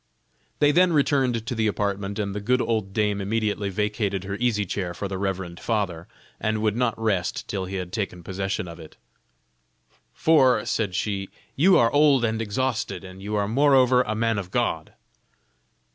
They then returned to the apartment, and the good old dame immediately vacated her easy chair for the reverend father, and would not rest till he had taken possession of it. "For," said she, "you are old and exhausted, and you are moreover a man of God."